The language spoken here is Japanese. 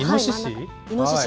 イノシシ？